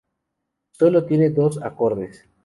Sólo tiene dos acordes.